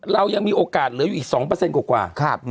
เรายังมีโอกาสเหลืออยู่อีก๒กว่า